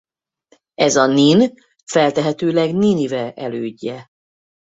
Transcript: Ez a Nin feltehetőleg Ninive elődje.